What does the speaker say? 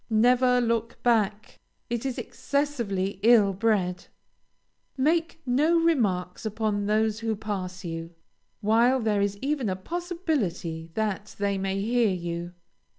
Never look back! It is excessively ill bred. Make no remarks upon those who pass you, while there is even a possibility that they may hear you.